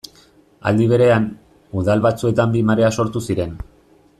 Aldi berean, udal batzuetan bi marea sortu ziren.